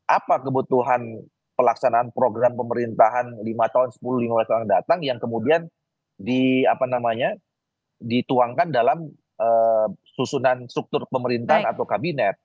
apa kebutuhan pelaksanaan program pemerintahan lima tahun sepuluh lima belas tahun yang datang yang kemudian dituangkan dalam susunan struktur pemerintahan atau kabinet